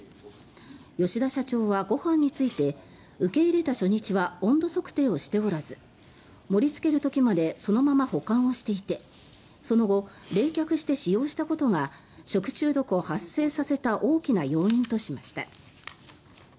吉田社長はご飯について受け入れた初日は温度測定をしておらず盛りつける時までそのまま保管をしていてその後、冷却して使用したことが食中毒を発生させた大きな要因としました。